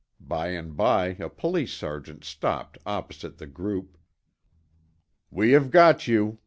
By and by a police sergeant stopped opposite the group. "We have got you!